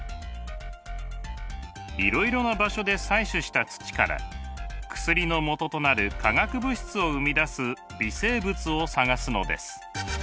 いろいろな場所で採取した土から薬のもととなる化学物質を生み出す微生物を探すのです。